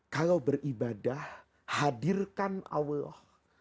kalau beribadah hadirkan allah